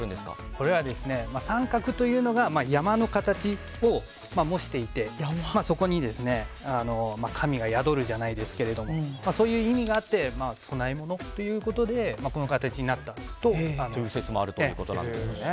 これは三角というのが山の形を模していてそこに神が宿るじゃないですけどもそういう意味があって供え物ということでそういう説もあるということですね。